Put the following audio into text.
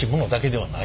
はい。